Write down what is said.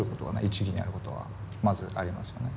一義にあることはまずありますよね。